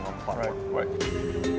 mereka melihat di platform